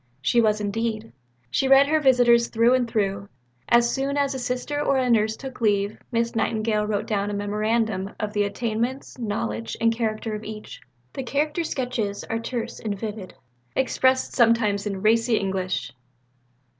She was indeed. She read her visitors through and through. As soon as a Sister or a Nurse took leave, Miss Nightingale wrote down a memorandum of the attainments, knowledge, and character of each. The character sketches are terse and vivid, expressed sometimes in racy English.